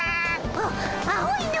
あっ青いの！